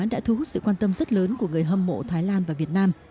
đã thu hút sự quan tâm rất lớn của người hâm mộ thái lan và việt nam